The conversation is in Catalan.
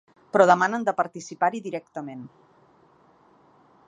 Però demanen de participar-hi directament.